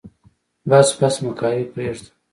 بس بس مکاري پرېده.